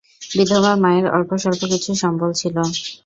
বিধবা মায়ের অল্প কিছু সম্বল ছিল।